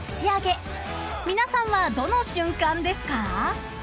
［皆さんはどの瞬間ですか？］